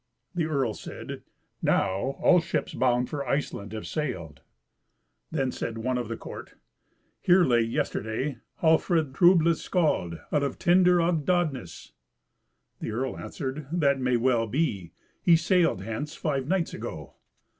The earl said, "Now all ships bound for Iceland have sailed." Then said one of the court, "Here lay, yesterday, Hallfred Troublous Skald, out tinder Agdaness." The earl answered, "That may well be; he sailed hence five nights ago."